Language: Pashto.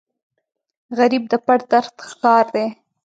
غریب د پټ درد ښکار دی